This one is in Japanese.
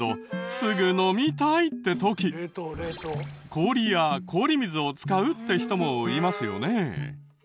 氷や氷水を使うって人もいますよね。